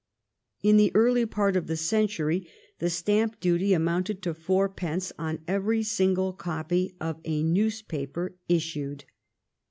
In the early part of the century the stamp duty amounted to four pence on every single copy of a newspaper issued.